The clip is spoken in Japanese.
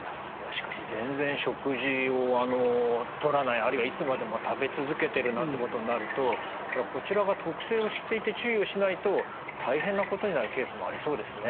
しかし全然食事をとらないあるいはいつまでも食べ続けてるなんてことになるとこちらが特性を知っていて注意をしないと大変なことになるケースもありそうですね。